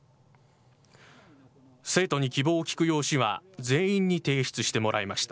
生徒に希望を聞く用紙は全員に提出してもらいました。